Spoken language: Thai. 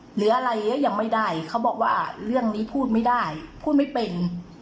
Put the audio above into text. หรืออะไรก็ยังไม่ได้เขาบอกว่าเรื่องนี้พูดไม่ได้พูดไม่เป็น